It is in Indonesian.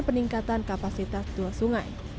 peningkatan kapasitas dua sungai